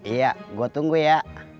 iya gue tunggu ya